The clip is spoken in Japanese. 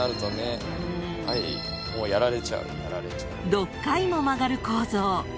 ［６回も曲がる構造］